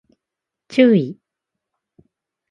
注意